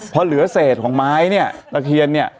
พอเหลือเศษของไม้อิตาเคียนนี่